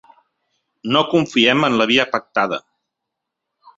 No confiem en la via pactada.